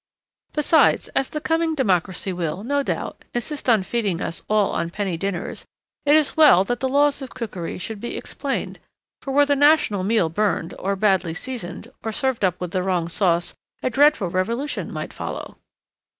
Besides, as the coming democracy will, no doubt, insist on feeding us all on penny dinners, it is well that the laws of cookery should be explained: for were the national meal burned, or badly seasoned, or served up with the wrong sauce a dreadful revolution might follow.